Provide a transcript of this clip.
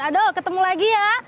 aduh ketemu lagi ya